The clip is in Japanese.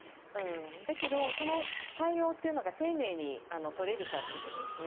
だけど、その対応というのが丁寧に取れるかということですね。